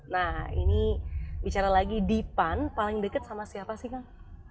nah ini bicara lagi di pan paling dekat sama siapa sih kang